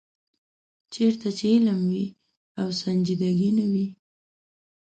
چېرته چې علم وي او سنجیدګي نه وي.